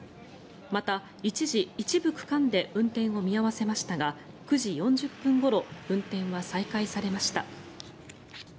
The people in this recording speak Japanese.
また、一時、一部区間で運転を見合わせましたが９時４０分ごろ運転は再開されました。